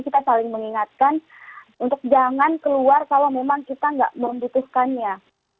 kita saling mengingatkan untuk jangan keluar kalau memang kita tidak bisa keluar